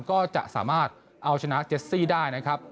ก็จะสามารถเอาชนะเจสซี่ได้นะครับ